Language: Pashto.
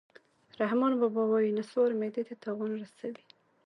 رحمان بابا وایي: نصوار معدې ته تاوان رسوي